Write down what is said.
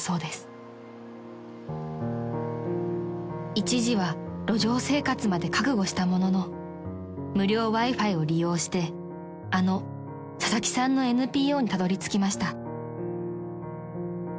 ［一時は路上生活まで覚悟したものの無料Ｗｉ−Ｆｉを利用してあの佐々木さんのＮＰＯにたどりつきました］